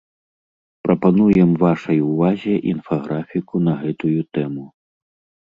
Прапануем вашай увазе інфаграфіку на гэтую тэму.